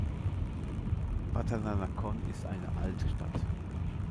Watthana Nakhon ist eine alte Stadt.